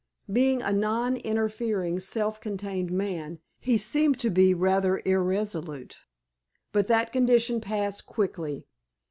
Being a non interfering, self contained man, he seemed to be rather irresolute. But that condition passed quickly.